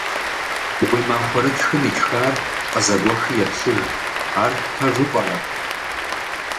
Уи махуэрытхым итхар къызэгуэхи еплъыж, ар пэжу пӀэрэ?